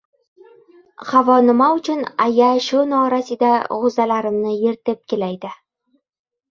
Havo nima uchun ayaa shu norasida g‘o‘zalarimni yertepkilaydi?